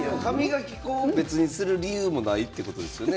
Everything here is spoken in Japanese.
歯磨き粉を別にする理由がないということですね。